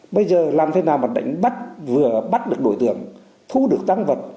bây giờ làm thế nào mà đánh bắt vừa bắt được đội tưởng thú được tăng vật